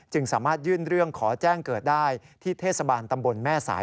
สามารถยื่นเรื่องขอแจ้งเกิดได้ที่เทศบาลตำบลแม่สาย